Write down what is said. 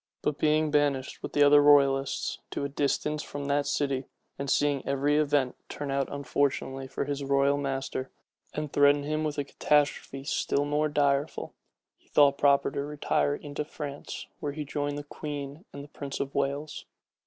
But being banished, with the other royalists, to a distance from that city, and seeing every event turn out unfortunately for his royal master, and threaten him with a catastrophe still more direful, he thought proper to retire into France, where he joined the queen and the prince of Wales.